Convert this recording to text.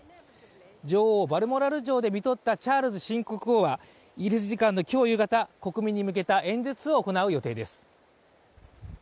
女王をバルモラル城でみとったチャールズ新国王は、イギリス時間の今日夕方、国民に向けた演説を行う予定です。